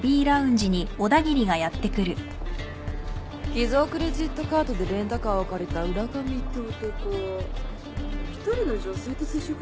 偽造クレジットカードでレンタカーを借りた浦上って男１人の女性と接触してますね。